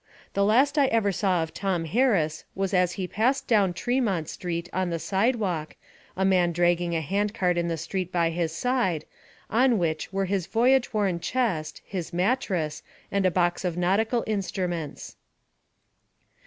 The last I ever saw of Tom Harris was as he passed down Tremont Street on the sidewalk, a man dragging a hand cart in the street by his side, on which were his voyage worn chest, his mattress, and a box of nautical instruments.